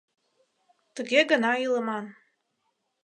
Тыге гына илыман.